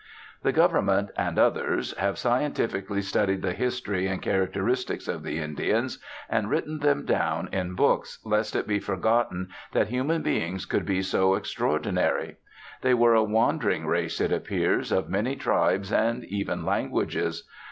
The Government, and others, have scientifically studied the history and characteristics of the Indians, and written them down in books, lest it be forgotten that human beings could be so extraordinary. They were a wandering race, it appears, of many tribes and, even, languages.